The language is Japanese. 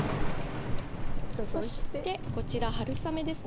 そしてこちら春雨ですね。